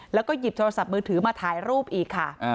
แล้วก็หยิบโทรศัพท์มือถือมาถ่ายรูปอีกค่ะ